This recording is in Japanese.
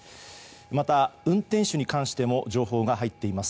また、運転手に関しても情報が入っています。